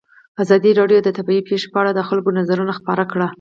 ازادي راډیو د طبیعي پېښې په اړه د خلکو نظرونه خپاره کړي.